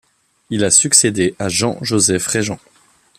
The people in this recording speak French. Il a succédé à Jean-Joseph Régent.